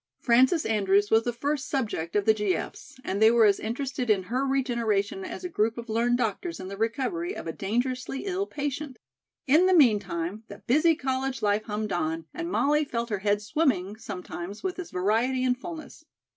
Frances Andrews was the first "subject" of the G.F.'s, and they were as interested in her regeneration as a group of learned doctors in the recovery of a dangerously ill patient. In the meantime, the busy college life hummed on and Molly felt her head swimming sometimes with its variety and fullness.